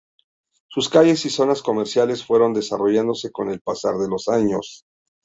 Sus calles y zonas comerciales fueron desarrollándose con el pasar de los años.